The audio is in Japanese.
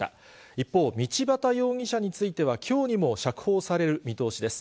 一方、道端容疑者については、きょうにも釈放される見通しです。